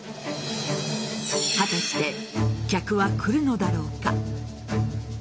果たして、客は来るのだろうか。